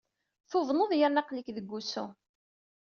Tuḍned yerna aql-ik deg wusu.